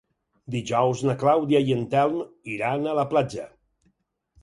Dijous na Clàudia i en Telm iran a la platja.